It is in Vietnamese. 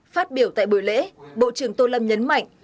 phát biểu tại buổi lễ bộ trưởng tô lâm nhấn mạnh